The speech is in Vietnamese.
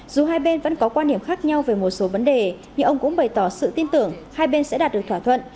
dù hai bên vẫn có quan điểm khác nhau về một số vấn đề nhưng ông cũng bày tỏ sự tin tưởng hai bên sẽ đạt được thỏa thuận